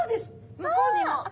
向こうにも！